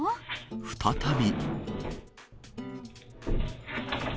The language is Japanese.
再び。